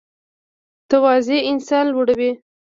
تواضع انسان لوړوي